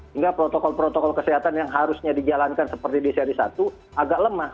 hingga protokol protokol kesehatan yang harusnya dijalankan seperti di seri satu agak lemah